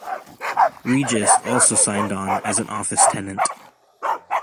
Regus also signed on as an office tenant.